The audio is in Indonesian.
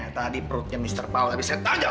tadi perutnya mr paul abisnya tajam